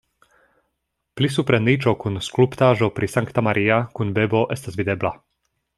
Pli supre niĉo kun skulptaĵo pri Sankta Maria kun bebo estas videbla.